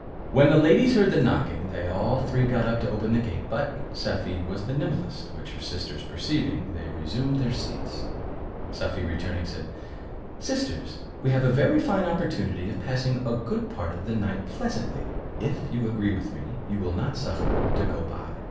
When the ladies heard the knocking, they all three got up to open the gate; but Safie was the nimblest; which her sisters perceiving, they resumed their seats. Safie returning, said, "Sisters, we have a very fine opportunity of passing a good part of the night pleasantly, and if you agree with me, you will not suffer it to go by.